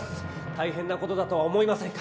たいへんなことだとは思いませんか？